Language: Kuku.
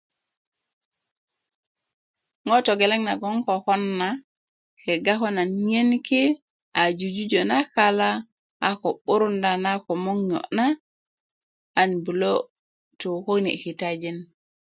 ŋo' togeleŋ nagoŋ nan kokon na kegga ko nan a ŋiyen ki a jujujö na kala a ko 'burunda na komoŋ niyo' na a 'n bulö tu kune' kitajin